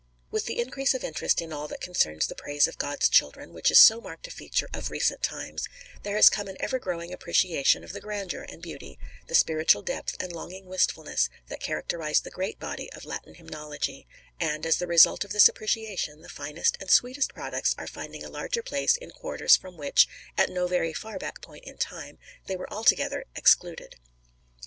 With the increase of interest in all that concerns the praise of God's children, which is so marked a feature of recent times, there has come an ever growing appreciation of the grandeur and beauty, the spiritual depth and longing wistfulness that characterise the great body of Latin hymnology; and, as the result of this appreciation, the finest and sweetest products are finding a larger place in quarters from which, at no very far back point of time, they were altogether excluded.